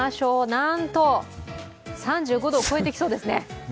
なんと、３５度を超えてきそうですね。